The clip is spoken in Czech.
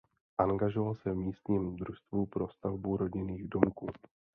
Angažoval se v místním družstvu pro stavbu rodinných domků.